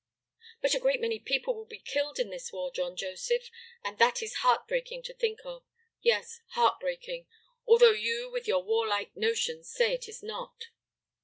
"But a great many people will be killed in this war, John Joseph, and that is heartbreaking to think of; yes heartbreaking, although you with your warlike notions say it is not."